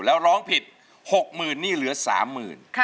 แล้วร้องผิด๖๐๐๐นี่เหลือ๓๐๐๐บาท